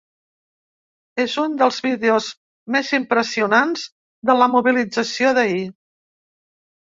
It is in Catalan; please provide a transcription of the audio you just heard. És un dels vídeos més impressionants de la mobilització d’ahir.